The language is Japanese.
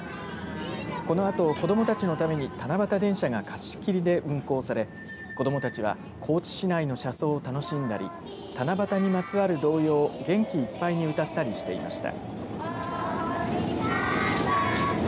このあと、子どもたちのために七夕電車が貸し切りで運行され子どもたちは高知市内の車窓を楽しんだり七夕にまつわる童謡を元気いっぱいに歌ったりしていました。